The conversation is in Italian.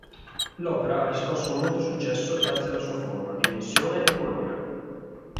L'opera ha riscosso molto successo grazie alla sua forma, dimensione e colore.